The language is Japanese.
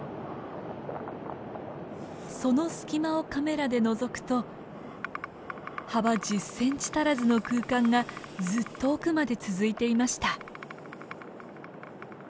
その隙間をカメラでのぞくと幅１０センチ足らずの空間がずっと奥まで続いていました。